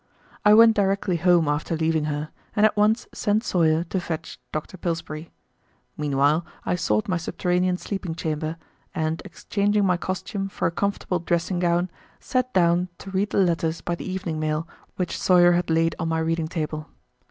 I went directly home after leaving her, and at once sent Sawyer to fetch Dr. Pillsbury. Meanwhile I sought my subterranean sleeping chamber, and exchanging my costume for a comfortable dressing gown, sat down to read the letters by the evening mail which Sawyer had laid on my reading table.